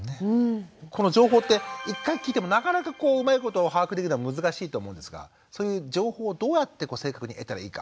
この情報って一回聞いてもなかなかこううまいこと把握できるのは難しいと思うんですがそういう情報をどうやって正確に得たらいいか。